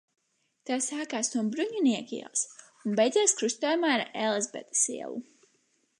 Tā sākas no Bruņinieku ielas un beidzas krustojumā ar Elizabetes ielu.